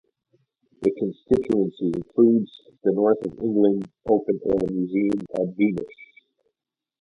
The constituency includes the North of England Open Air Museum at Beamish.